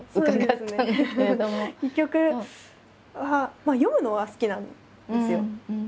戯曲は読むのは好きなんですよ。